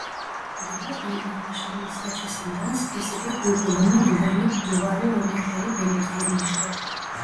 Daha iyi anlaşılması açısından spesifik uygulama güvenlik duvarı örnekleri belirtilmiştir.